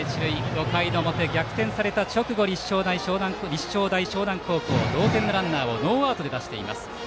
５回の表、逆転された直後立正大淞南高校同点のランナーをノーアウトで出しました。